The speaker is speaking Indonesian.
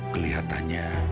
kecing jaket itu